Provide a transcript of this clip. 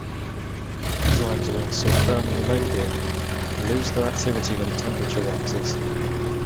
Enzymes are also thermolabile and lose their activity when the temperature rises.